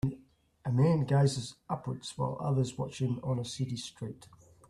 A man gazes upwards while others watch him on a city street.